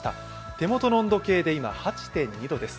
手元の温度計で今、８．２度です。